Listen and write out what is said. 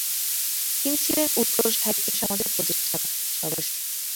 তিনি ছিলেন উৎকল সাহিত্য সমাজের প্রতিষ্ঠাতা-সদস্য।